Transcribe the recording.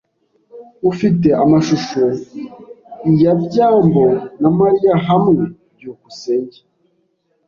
Ufite amashusho ya byambo na Mariya hamwe? byukusenge